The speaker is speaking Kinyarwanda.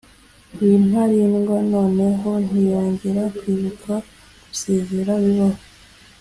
w' intarindwa, noneho ntiyongera kwibuka gusezera bibaho;